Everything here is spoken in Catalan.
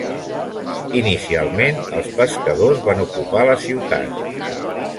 Inicialment, els pescadors van ocupar la ciutat.